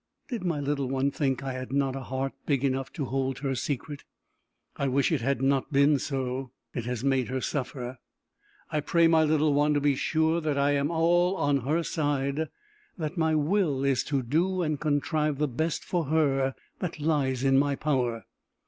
Did my little one think I had not a heart big enough to hold her secret? I wish it had not been so: it has made her suffer! I pray my little one to be sure that I am all on her side; that my will is to do and contrive the best for her that lies in my power.